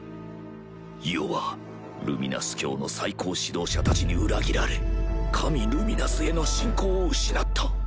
余はルミナス教の最高指導者たちに裏切られ神ルミナスへの信仰を失った